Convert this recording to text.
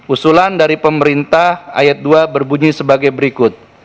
usulan dari pemerintah ayat dua berbunyi sebagai berikut